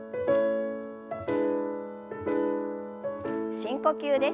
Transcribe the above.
深呼吸です。